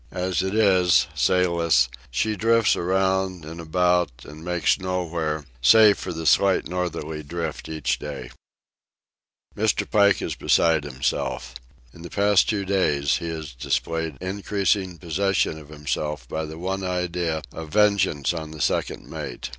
As it is, sailless, she drifts around and about and makes nowhere save for the slight northerly drift each day. Mr. Pike is beside himself. In the past two days he has displayed increasing possession of himself by the one idea of vengeance on the second mate.